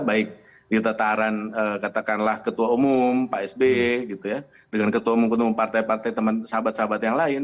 baik di tataran katakanlah ketua umum pak sby gitu ya dengan ketua umum ketua umum partai partai teman sahabat sahabat yang lain